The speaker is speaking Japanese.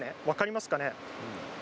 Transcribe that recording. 分かりますかね？